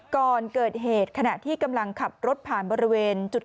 ก่อนเกิดเหตุขณะที่กำลังขับรถผ่านบริเวณจุด